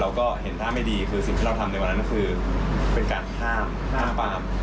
เราก็เห็นท่าไม่ดีคือสิ่งที่เราทำในวันนั้นคือเป็นการห้ามห้ามปราม